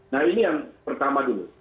nah ini yang pertama dulu